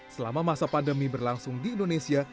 selama masa pandemi berlangsung di indonesia